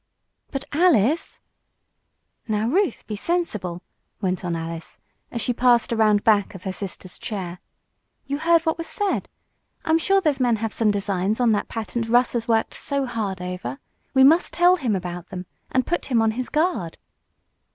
"But Alice " "Now, Ruth, be sensible," went on Alice, as she passed around back of her sister's chair. "You heard what was said. I'm sure those men have some designs on that patent Russ has worked so hard over. We must tell him about them, and put him on his guard."